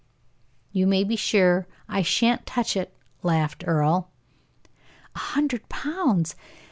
"You may be sure I sha'n't touch it," laughed Earle. "A hundred pounds!